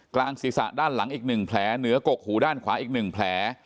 กลางศีรษะด้านหลังอีก๑แผลเหนือกกหูด้านขวาอีก๑แผล